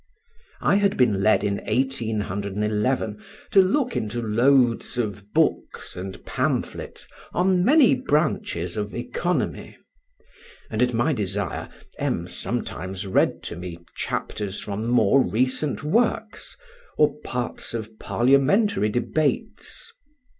I had been led in 1811 to look into loads of books and pamphlets on many branches of economy; and, at my desire, M. sometimes read to me chapters from more recent works, or parts of parliamentary debates.